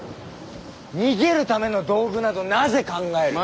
逃げるための道具などなぜ考える。